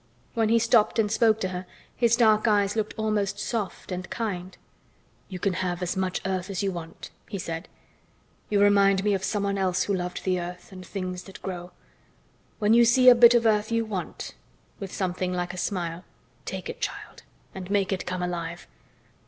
When he stopped and spoke to her his dark eyes looked almost soft and kind. "You can have as much earth as you want," he said. "You remind me of someone else who loved the earth and things that grow. When you see a bit of earth you want," with something like a smile, "take it, child, and make it come alive."